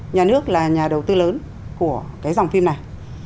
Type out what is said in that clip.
nhà nước là nhà đầu tư lớn của cái dòng phim này